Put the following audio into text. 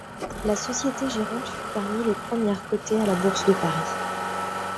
La société gérante fut parmi les premières cotées à la Bourse de Paris.